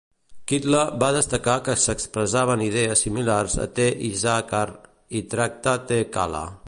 Kitlle va destacar que s"expressaven idees similars a T. Issachar i Tractate Kalla.